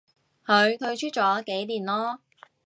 佢退出咗幾年咯